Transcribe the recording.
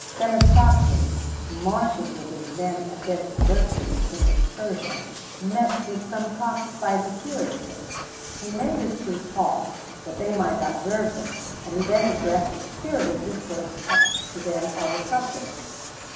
[XVII 7] Themistocles, marching with his army against Xerxes, King of Persia, met with some cocks fighting furiously; he made his troops halt, that they might observe them, and he then addressed a spirited discourse to them on the subject.